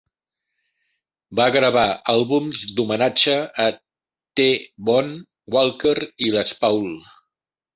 Va gravar àlbums d'homenatge a T-Bone Walker i Les Paul.